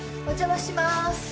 お邪魔します。